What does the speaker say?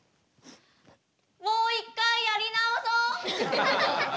もう一回やり直そう！